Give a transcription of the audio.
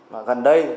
mà gần đây